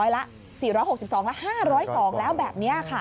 ๔๖๒แล้ว๕๐๒แล้วแบบนี้ค่ะ